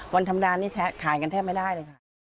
วันธรรมดานี้ขายกันแทบไม่ได้เลยค่ะ